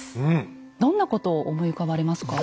どんなことを思い浮かばれますか？